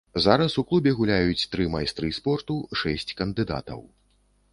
Зараз у клубе гуляюць тры майстры спорту, шэсць кандыдатаў.